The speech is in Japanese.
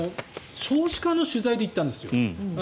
少子化の取材で行ったんですよ。